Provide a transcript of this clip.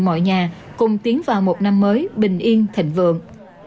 mọi nhà cùng tiến vào một năm mới bình yên thịnh vượng